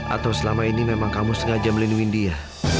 atau selama ini memang kamu sengaja melindungi dia